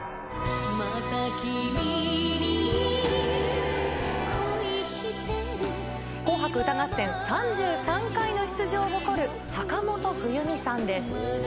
また君に恋してる『紅白歌合戦』３３回の出場を誇る坂本冬美さんです。